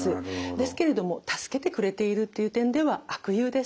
ですけれども助けてくれているという点では悪友です。